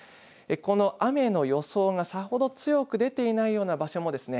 この雨の予想がさほど強く出ていないような場所もですね